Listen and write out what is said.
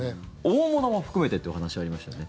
大物も含めてというお話ありましたよね。